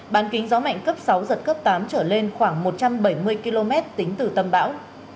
bán kính gió mạnh cấp sáu giật cấp tám trở lên khoảng một trăm bảy mươi km tính từ tâm bão